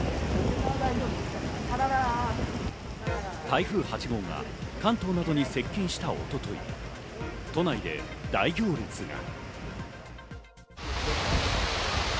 台風８号が関東などに接近した一昨日、都内で大行列が。